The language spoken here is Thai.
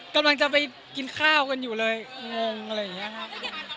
กำลังจะไปกินข้าวกันอยู่เลยงงอะไรอย่างนี้ครับ